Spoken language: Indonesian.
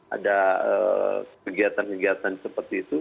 ada kegiatan kegiatan seperti itu